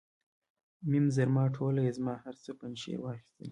میم زرما ټوله یې زما، هر څه پنجشیر واخیستل.